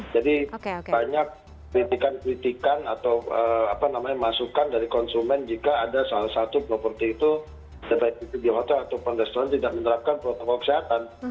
jadi banyak kritikan kritikan atau apa namanya masukan dari konsumen jika ada salah satu properti itu di hotel atau restoran tidak menerapkan protokol kesehatan